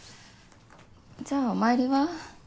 じゃあお参りは？